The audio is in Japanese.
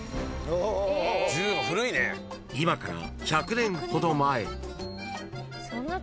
［今から１００年ほど前］